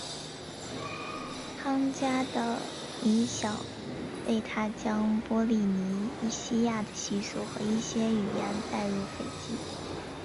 汤加的影响为他将波利尼西亚的习俗和一些语言带入斐济。